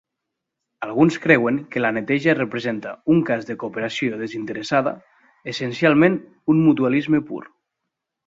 Alguns creuen que la neteja representa un cas de cooperació desinteressada, essencialment un mutualisme pur.